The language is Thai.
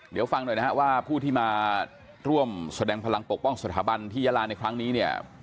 เดี๋ยวฟังหน่อยนะฮะว่าผู้ที่มาร่วมแสดงพลังปกป้องสถาบันที่ยาลาในครั้งนี้เนี่ย